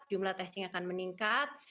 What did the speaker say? jumlah testing akan meningkat